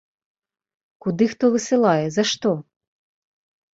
Куды хто высылае, за што?